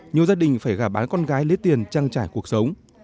nhiều gia đình phải gả bán con gái lấy tiền trang trải cuộc sống